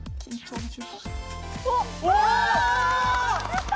やった！